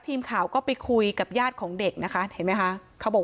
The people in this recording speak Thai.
ทีมข่าวก็ไปคุยกับญาติของเด็กนะคะเห็นไหมคะเขาบอก